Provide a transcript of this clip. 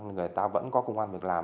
người ta vẫn có khủng hoảng được làm